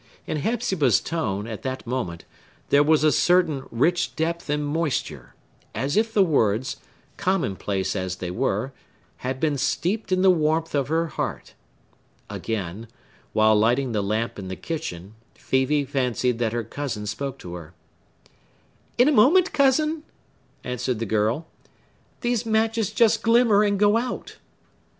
In Hepzibah's tone, at that moment, there was a certain rich depth and moisture, as if the words, commonplace as they were, had been steeped in the warmth of her heart. Again, while lighting the lamp in the kitchen, Phœbe fancied that her cousin spoke to her. "In a moment, cousin!" answered the girl. "These matches just glimmer, and go out."